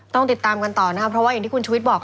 ต้องติดตามกันต่อนะครับเพราะว่าอย่างที่คุณชุวิตบอก